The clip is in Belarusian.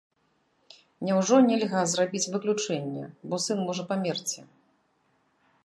Няўжо нельга зрабіць выключэнне, бо сын можа памерці?!